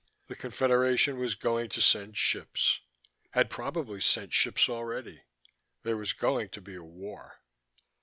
The Confederation was going to send ships had probably sent ships already. There was going to be a war.